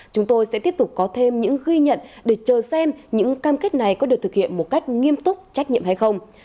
chúng tôi sẽ tiếp tục có thêm những ghi nhận để chờ xem những cam kết này có được thực hiện một cách nghiêm túc trách nhiệm hay không